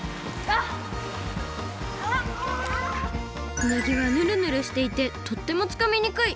うなぎはぬるぬるしていてとってもつかみにくい。